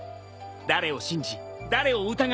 誰を信じ誰を疑うか。